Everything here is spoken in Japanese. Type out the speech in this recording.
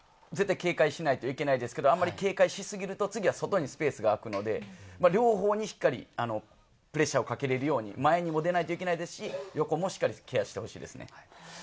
警戒しないといけないですけれど、警戒し過ぎると、外にスペースが空くので、両方にしっかりプレッシャーをかけるように、前も出ないといけないですし、横もケアしてほしいです。